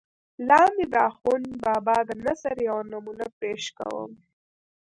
لاندې دَاخون بابا دَنثر يوه نمونه پېش کوم